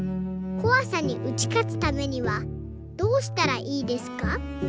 こわさに打ち勝つためにはどうしたらいいですか？」。